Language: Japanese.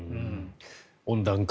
温暖化